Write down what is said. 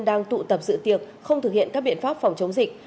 đang tụ tập sự tiệc không thực hiện các biện pháp phòng chống dịch